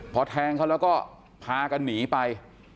พอแทงเขาแล้วก็พากันหนีไป